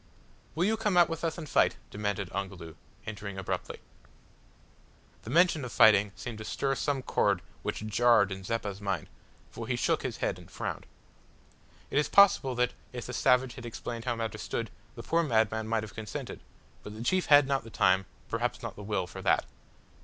"Will you come out with us and fight?" demanded Ongoloo, entering abruptly. The mention of fighting seemed to stir some chord which jarred in Zeppa's mind, for he shook his head and frowned. It is possible that, if the savage had explained how matters stood, the poor madman might have consented, but the chief had not the time, perhaps not the will, for that.